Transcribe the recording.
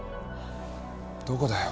どこだよ？